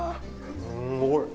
すごい。